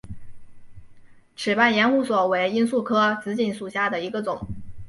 齿瓣延胡索为罂粟科紫堇属下的一个种。